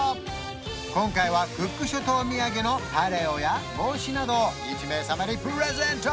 今回はクック諸島土産のパレオや帽子などを１名様にプレゼント！